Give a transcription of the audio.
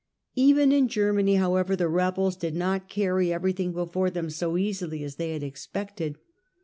Even in Germany, however, the rebels did not carry everything before them so easily as they had expected.